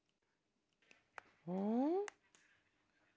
うん？